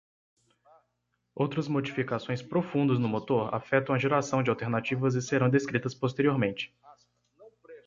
Outras modificações profundas no motor afetam a geração de alternativas e serão descritas posteriormente.